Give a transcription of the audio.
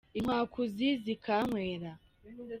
Inkwakuzi zikankwera